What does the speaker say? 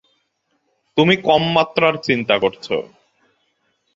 তুমি কমমাত্রার চিন্তা করছো।